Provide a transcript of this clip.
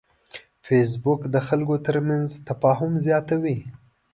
فېسبوک د خلکو ترمنځ تفاهم زیاتوي